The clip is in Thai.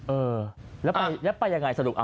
เออแล้วไปยังไงสรุป